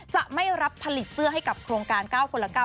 จะไม่รับผลิตเสื้อให้กับโครงการ๙คนละ๙